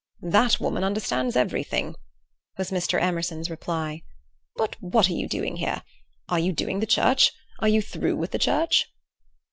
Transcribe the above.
"That woman understands everything," was Mr. Emerson's reply. "But what are you doing here? Are you doing the church? Are you through with the church?"